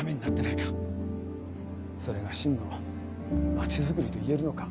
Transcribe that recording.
それが真の街づくりと言えるのか。